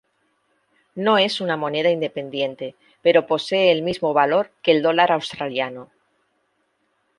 No es una moneda independiente pero posee el mismo valor que el dólar australiano.